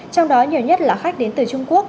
trong đó nhiều nhất là khách đến từ trung quốc